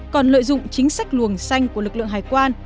còn lợi dụng chính sách luồng xanh của lực lượng hải quan